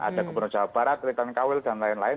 ada gubernur jawa barat ritwan kawil dan lain lain